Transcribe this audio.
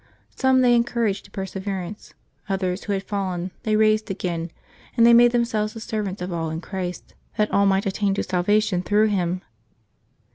Some they encouraged to perseverance, others, who had fallen, they raised again, and they made themselves the servants of all in Christ, that all might attain to salvation through Him.